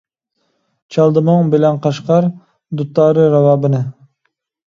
چالدى مۇڭ بىلەن قەشقەر، دۇتارى، راۋابىنى.